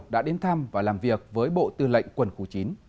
đã đến thăm và làm việc với bộ tư lệnh quân khu chín